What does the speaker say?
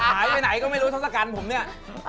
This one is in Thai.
หายไปไหนก็ไม่รู้ทศกัณฐ์ผมเนี่ย